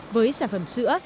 với sản phẩm sữa